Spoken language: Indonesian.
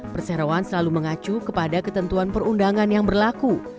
perseroan selalu mengacu kepada ketentuan perundangan yang berlaku